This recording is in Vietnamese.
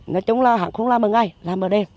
nói chung là hẳn không làm ở ngày làm ở đêm